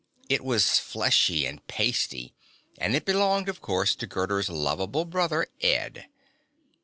It was fleshy and pasty, and it belonged, of course, to Gerda's lovable brother Ed.